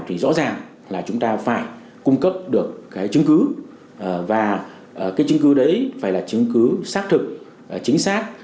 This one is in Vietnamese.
thì rõ ràng là chúng ta phải cung cấp được cái chứng cứ và cái chứng cứ đấy phải là chứng cứ xác thực chính xác